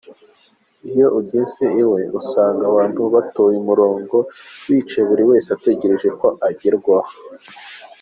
Iyo ugeze uwe usanga abantu batoye umurongo, bicaye buri wese ategereje ko agerwaho.